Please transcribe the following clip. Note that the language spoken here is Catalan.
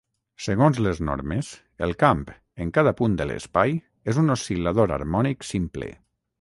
Segons les normes, el camp en cada punt de l'espai és un oscil·lador harmònic simple.